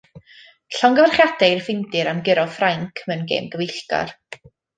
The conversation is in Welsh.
Llongyfarchiadau i'r Ffindir am guro Ffrainc mewn gêm gyfeillgar.